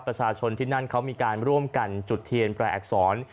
ประชาชนที่นั่นเขามีการร่วมกันจุดเทียนแปลอักษร